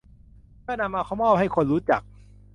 เพื่อนำมามอบให้คนรู้จัก